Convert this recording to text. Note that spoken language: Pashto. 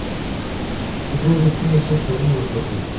دغې پېښې کلونه کلونه